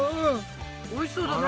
おいしそうだね。